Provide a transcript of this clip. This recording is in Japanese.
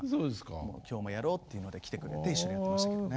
今日もやろうって来てくれて一緒にやってましたけどね。